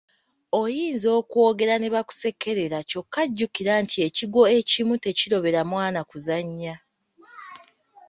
Oyinza okwogera ne bakusekerera kyokka jjukira nti ekigwo ekimu tekirobera mwana kuzannya.